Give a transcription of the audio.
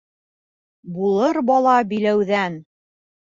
Булыр бала биләүҙән.